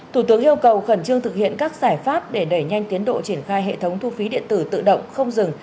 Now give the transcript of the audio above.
thủ tướng yêu cầu khẩn trương thực hiện các giải pháp để đẩy nhanh tiến độ triển khai hệ thống thu phí điện tử tự động không dừng